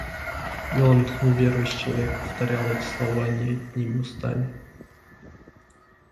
И он, неверующий человек, повторял эти слова не одними устами.